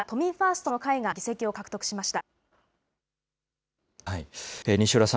都民ファーストの会が２議席を独占しました。